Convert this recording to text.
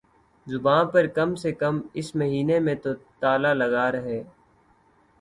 زبان پر کم سے کم اس مہینے میں تو تالا لگا رہے